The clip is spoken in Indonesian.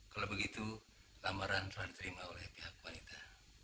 kalau begitu lamaran telah diterima oleh pihak wanita